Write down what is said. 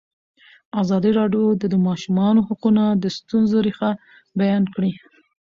ازادي راډیو د د ماشومانو حقونه د ستونزو رېښه بیان کړې.